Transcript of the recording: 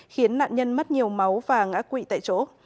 khiến nạn nhân mất nhiều máu và ngã quỵ tại chỗ